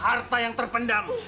harta yang terpendam